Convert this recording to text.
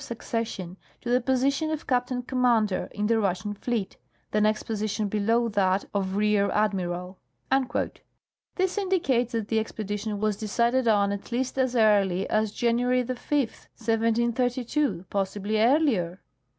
succession, to the position of captain commander in the Russian fleet, tlie next position below tliat of rear admival." This indicates that the expedition was decided on at least as early as January 5, 1732 ; possibly earlier.